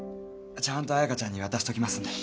ちゃんと彩香ちゃんに渡しておきますんで。